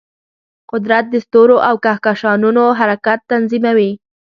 قدرت د ستورو او کهکشانونو حرکت تنظیموي.